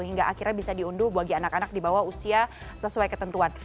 hingga akhirnya bisa diunduh bagi anak anak di bawah usia sesuai ketentuan